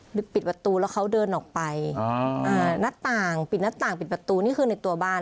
ปิดประตูแล้วเขาเดินออกไปหน้าต่างปิดหน้าต่างปิดประตูนี่คือในตัวบ้าน